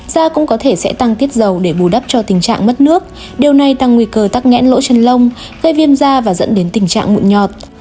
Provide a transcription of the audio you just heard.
da cũng có thể sẽ tăng tiết dầu để bù đắp cho tình trạng mất nước điều này tăng nguy cơ tắc nghẽn lỗ chân lông gây viêm da và dẫn đến tình trạng bụi nhọt